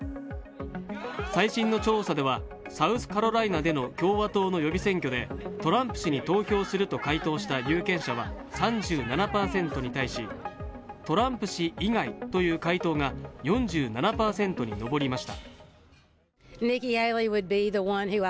最新の調査では、サウスカロライナでの共和党の予備選挙でトランプ氏に投票すると回答した有権者は３７％に対しトランプ氏以外という回答が４７％に上りました。